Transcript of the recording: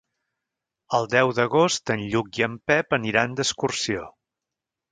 El deu d'agost en Lluc i en Pep aniran d'excursió.